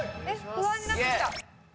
不安になってきた。